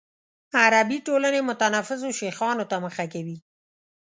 عربي ټولنې متنفذو شیخانو ته مخه کوي.